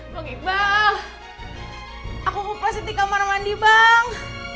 bang ibang aku kupas di kamar mandi bang